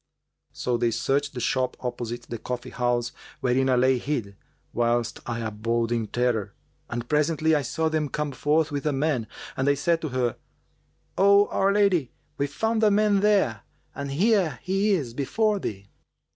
So they searched the shop opposite the coffee house[FN#397] wherein I lay hid, whilst I abode in terror; and presently I saw them come forth with a man and they said to her, 'O our lady, we found a man there and here he is before thee.'